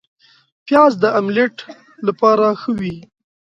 پیاز د املیټ لپاره ښه وي